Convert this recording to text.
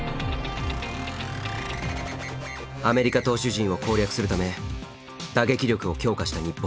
アメリカ投手陣を攻略するため打撃力を強化した日本。